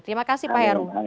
terima kasih pak heru